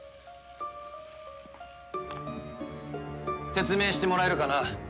説明してもらえるかな？